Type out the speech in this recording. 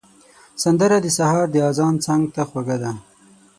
سندره د سهار د اذان څنګ ته خوږه ده